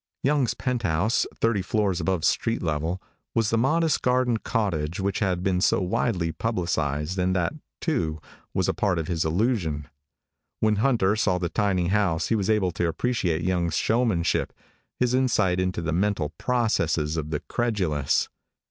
Young's penthouse, thirty floors above street level, was the modest garden cottage which had been so widely publicized and that, too, was a part of his illusion. When Hunter saw the tiny house he was able to appreciate Young's showmanship, his insight into the mental processes of the credulous.